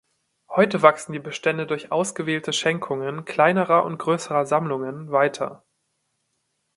Heute wachsen die Bestände durch ausgewählte Schenkungen kleinerer und größerer Sammlungen weiter.